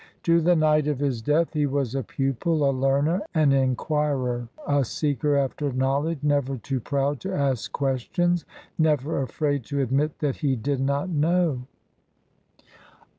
To the night of his death he was a pupil, a learner, an in quirer, a seeker after knowledge, never too proud to ask questions, never afraid to admit that he did not know."